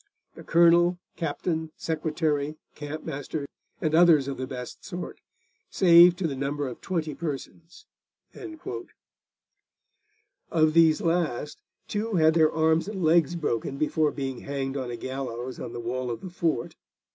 The Colonel, Captain, Secretary, Campmaster, and others of the best sort, saved to the number of 20 persons.' Of these last, two had their arms and legs broken before being hanged on a gallows on the wall of the fort.